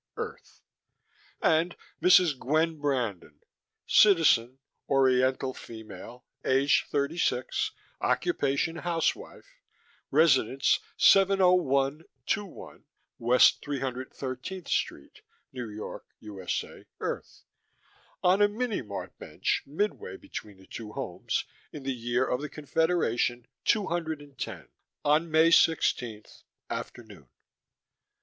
Earth) and Mrs. Gwen Brandon (Citizen, oriental female, age thirty six, occupation housewife, residence 701 21 West 313 Street, New York, U. S. A., Earth) on a Minimart bench midway between the two homes, in the year of the Confederation two hundred and ten, on May sixteenth, afternoon.